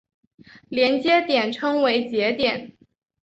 连接点称为节点。